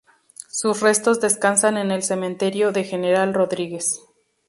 Sus restos descansan en el Cementerio de General Rodríguez.